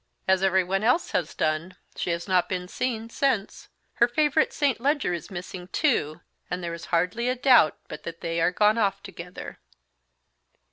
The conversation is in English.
"As everyone else has done. She has not been seen since. Her favourite St. Leger is missing too, and there is hardly a doubt but that they are gone off together."